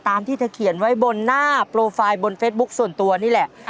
ที่เธอเขียนไว้บนหน้าโปรไฟล์บนเฟซบุ๊คส่วนตัวนี่แหละ